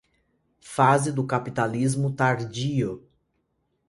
Fase do capitalismo tardio